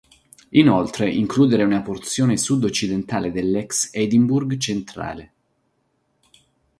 Inoltre includere una porzione sud-occidentale dell'ex Edinburgh Central.